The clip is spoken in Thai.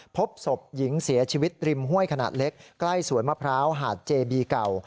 พบศพหญิงเสียชีวิตริมห้วยขนาดเล็กใกล้สวนมะพร้าวหาดเจบีเก่า